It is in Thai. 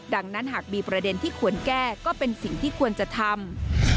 ดังนั้นหากมีประเด็นที่ควรแก้ก็เป็นสิ่งที่ควรจะทำ